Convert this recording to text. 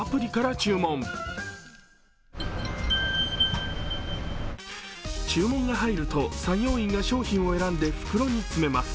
注文が入ると作業員が商品を選んで袋に詰めます。